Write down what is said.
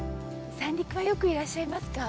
三陸はよくいらっしゃいますか？